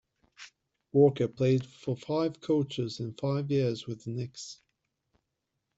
Walker played for five coaches in five years with the Knicks.